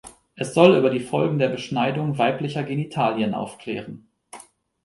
Es soll über die Folgen der Beschneidung weiblicher Genitalien aufklären.